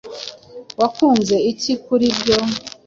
Wakunze iki kuri byo?